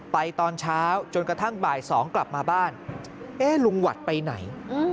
ตอนเช้าจนกระทั่งบ่าย๒กลับมาบ้านเอ๊ะลุงหวัดไปไหน